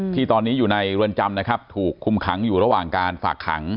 ที่ตอนนี้อยู่ในเรือนจำนะครับถูกคุมขังอยู่ระหว่างการฝากขัง